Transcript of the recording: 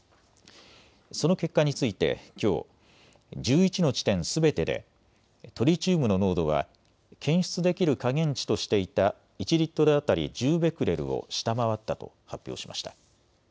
その結果についてきょう、１１の地点すべてでトリチウムの濃度は検出できる下限値としていた１リットル当たり１０ベクレルを下回ったと発表しました。